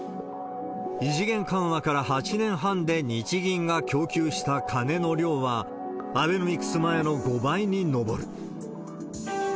異次元緩和から８年半で日銀が供給した金の量は、アベノミクス前の５倍に上る。